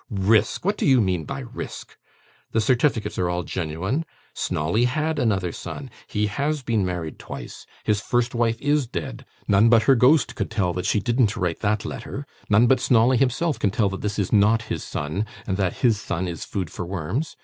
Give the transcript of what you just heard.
Risk! What do you mean by risk? The certificates are all genuine, Snawley HAD another son, he HAS been married twice, his first wife IS dead, none but her ghost could tell that she didn't write that letter, none but Snawley himself can tell that this is not his son, and that his son is food for worms!